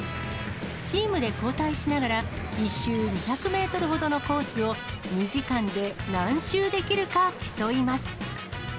チームで交代しながら、１周２００メートルほどのコースを２時間で何周できるか競います。